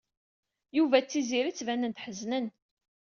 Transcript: Yuba d Tiziri ttbanen-d ḥeznen.